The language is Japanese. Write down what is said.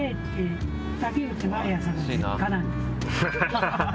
ハハハハ！